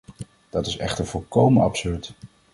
Dat is echter volkomen absurd.